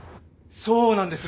そうなんです。